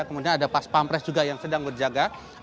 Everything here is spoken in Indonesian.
kemudian ada pas pampres juga yang sedang berjaga